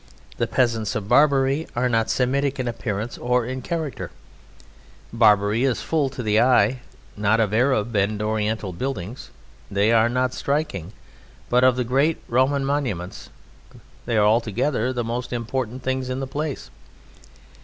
The peasants of Barbary are not Semitic in appearance or in character; Barbary is full to the eye, not of Arab and Oriental buildings they are not striking but of great Roman monuments: they are altogether the most important things in the place.